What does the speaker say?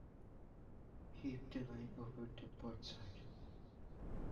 Heave the line over the port side.